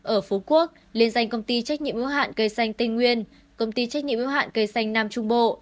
ở phú quốc liên danh công ty trách nhiệm yếu hạn cây xanh tây nguyên công ty trách nhiệm yếu hạn cây xanh nam trung bộ